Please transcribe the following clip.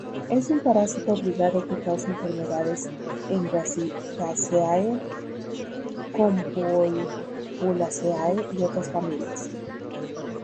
Es un parásito obligado que causa enfermedades en Brassicaceae, Convolvulaceae y otras familias.